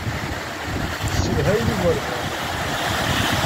Tessedhayem igerdan.